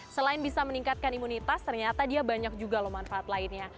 selain bisa meningkatkan imunitas ternyata dia banyak juga loh manfaat lainnya